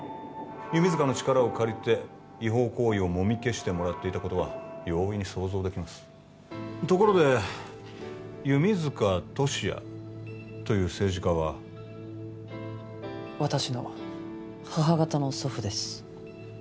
弓塚の力を借りて違法行為をもみ消してもらっていたことは容易に想像できますところで弓塚敏也という政治家は私の母方の祖父です